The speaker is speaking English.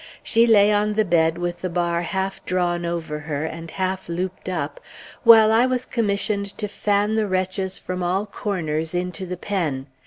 She lay on the bed with the bar half drawn over her, and half looped up, while I was commissioned to fan the wretches from all corners into the pen.